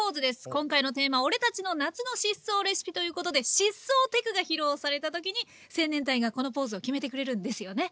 今回のテーマ「俺たちの夏の疾走レシピ！」ということで疾走テクが披露された時に青年隊がこのポーズを決めてくれるんですよね。